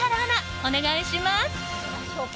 お願いします。